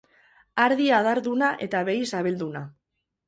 Ardi adarduna eta behi sabelduna.